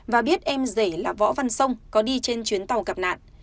và biết em rể là võ văn sông có đi trên chuyến tàu gặp nạn